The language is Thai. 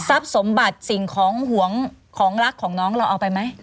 สมบัติสิ่งของหวงของรักของน้องเราเอาไปไหม